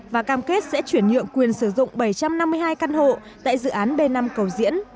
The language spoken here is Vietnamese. và cam kết sẽ chuyển nhượng quyền sử dụng bảy trăm năm mươi hai căn hộ tại dự án b năm cầu diễn